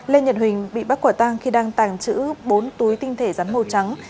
lê nhật huỳnh bị bắt quả tăng khi đăng tàng trữ bốn túi tinh thể rắn màu trắng